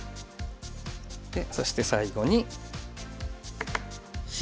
でそして最後にＣ。